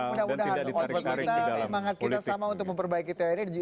mudah mudahan kontinuitas semangat kita sama untuk memperbaiki tni